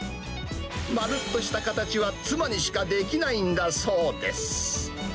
丸っとした形は妻にしかできないんだそうです。